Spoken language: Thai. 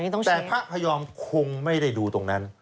แต่พระพยอมคงไม่ได้ดูตรงนั้น